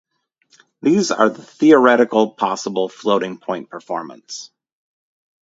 These are the theoretical possible Floating Point performance.